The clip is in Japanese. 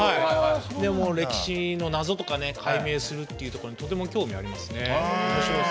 歴史の謎とかを解明するというところとても興味がありますね。